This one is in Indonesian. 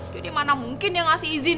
jadi mana mungkin dia ngasih izin